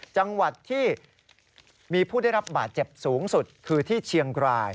จังหวัดที่มีผู้ได้รับบาดเจ็บสูงสุดคือที่เชียงราย